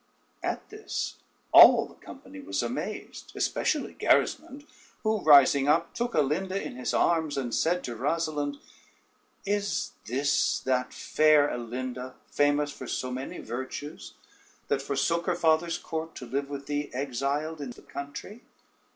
] At this all the company was amazed, especially Gerismond, who rising up, took Alinda in his arms, and said to Rosalynde: "Is this that fair Alinda famous for so many virtues, that forsook her father's court to live with thee exiled in the country?"